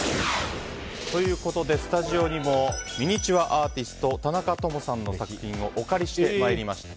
スタジオにもミニチュアアーティスト田中智さんの作品をお借りしてまいりました。